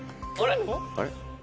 あれ？